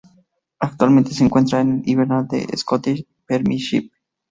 Actualmente se encuentra en el Hibernian de la Scottish Premiership.